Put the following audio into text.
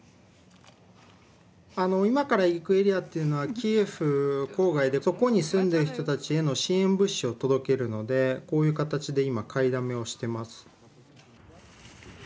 今から行くエリアっていうのはキエフ郊外でそこに住んでる人たちへの支援物資を届けるのでこういう形で今買いだめをしてます。